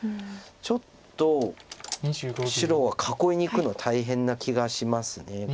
ちょっと白は囲いにいくの大変な気がします。